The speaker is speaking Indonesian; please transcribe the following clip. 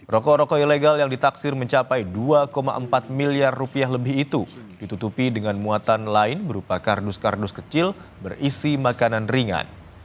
rokok rokok ilegal yang ditaksir mencapai dua empat miliar rupiah lebih itu ditutupi dengan muatan lain berupa kardus kardus kecil berisi makanan ringan